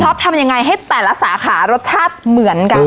ทำยังไงให้แต่ละสาขารสชาติเหมือนกัน